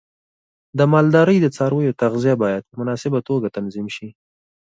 د مالدارۍ د څارویو تغذیه باید په مناسبه توګه تنظیم شي.